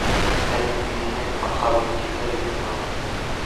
لكنه في النهاية ألقى بالكتاب في النار.